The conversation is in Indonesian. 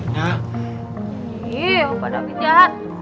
iya opa davin jahat